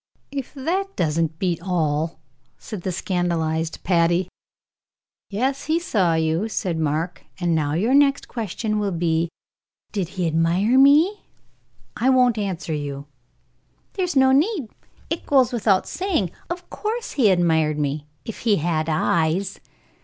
"If that doesn't beat all!" said the scandalized Patty. "Yes, he saw you," said Mark; "and now your next question will be, 'Did he admire me?' I won't answer you." "There's no need; it goes without saying. Of course he admired me if he had eyes.